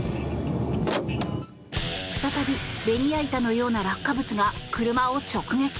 再びベニヤ板のような落下物が車を直撃。